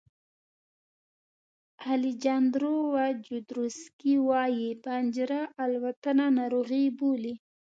الیجاندرو جودروسکي وایي پنجره الوتنه ناروغي بولي.